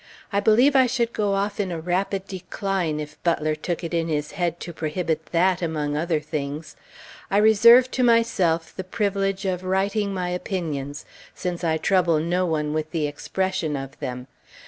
I believe I should go off in a rapid decline if Butler took it in his head to prohibit that among other things.... I reserve to myself the privilege of writing my opinions, since I trouble no one with the expression of them....